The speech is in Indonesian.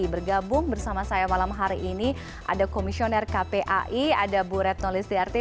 bergabung bersama saya malam hari ini ada komisioner kpai ada bu retno listiarti